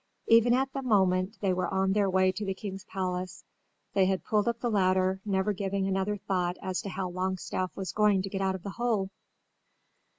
Even at that moment they were on their way to the king's palace. They had pulled up the ladder, never giving another thought as to how Longstaff was going to get out of the hole.